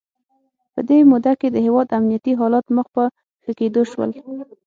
په دې موده کې د هیواد امنیتي حالات مخ په ښه کېدو شول.